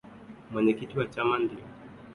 mwenyekiti wa chama ndiye atakayegombea uraisi